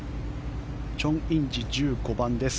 チョン・インジ、１５番です。